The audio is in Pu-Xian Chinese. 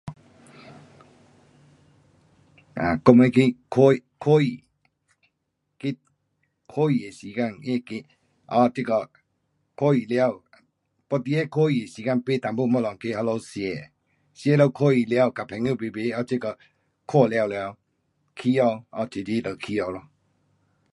啊，我们去看，看戏。去看戏的时间，去那个，啊这个，看戏了，要得那看戏的时间买一点东西去那里吃，吃了看戏了跟朋友排排啊这个看了了，回家 um 直直就回家咯。